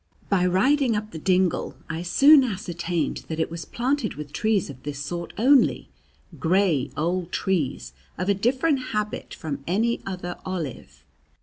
By riding up the dingle, I soon ascertained that it was planted with trees of this sort only, gray old trees of a different habit from any other olive.